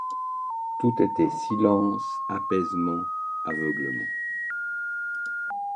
Tout était silence, apaisement, aveuglement.